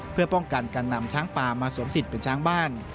เพื่อป้องกันการนำช้างป่ามาสวมสิทธิ์เป็นช้างบ้าน